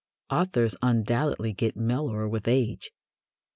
Authors undoubtedly get mellower with age.